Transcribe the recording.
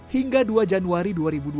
hingga dua januari dua ribu dua puluh